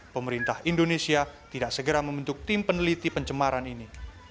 pemerintah indonesia tidak segera membentuk tim peneliti pencemaran ini